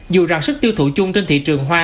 dù rằng sức tiêu thụ chung trên thị trường hoa